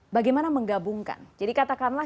bagaimana menggabungkan jadi katakanlah